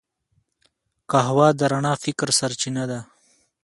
قهوه د رڼا فکر سرچینه ده